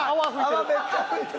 泡めっちゃ吹いてる！